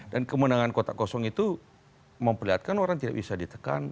kemenangan kotak kosong itu memperlihatkan orang tidak bisa ditekan